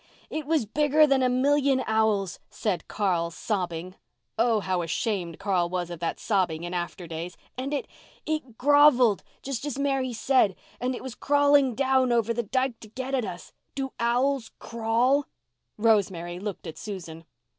"It was bigger than a million owls," said Carl, sobbing—oh, how ashamed Carl was of that sobbing in after days—"and it—it grovelled just as Mary said—and it was crawling down over the dyke to get at us. Do owls crawl?" Rosemary looked at Susan.